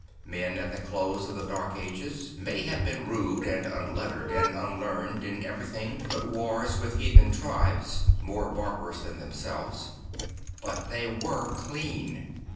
Men at the close of the Dark Ages may have been rude and unlettered and unlearned in everything but wars with heathen tribes, more barbarous than themselves, but they were clean.